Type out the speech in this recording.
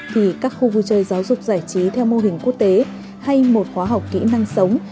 thì các khu vui chơi giáo dục giải trí theo mô hình quốc tế hay một khóa học kỹ năng sống